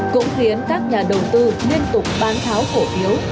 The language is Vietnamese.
cũng khiến các nhà đầu tư liên tục bán tháo cổ phiếu